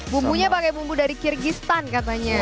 bumbunya pakai bumbu dari kyrgyzstan katanya